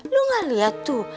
lu gak liat tuh